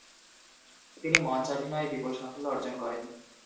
তিনি মঞ্চাভিনয়ে বিপুল সাফল্য অর্জন করেন।